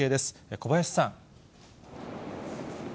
小林さん。